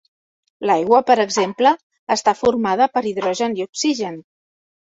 L'aigua, per exemple, està formada per hidrogen i oxigen.